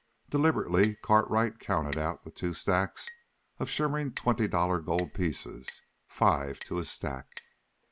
Deliberately Cartwright counted out the two stacks of shimmering twenty dollar gold pieces, five to a stack.